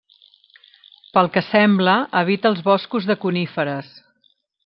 Pel que sembla evita els boscos de coníferes.